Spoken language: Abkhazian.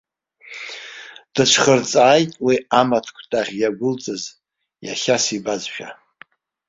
Дыҽхырҵааит уи амаҭкәтаӷь иагәылҵыз, иахьа сибазшәа.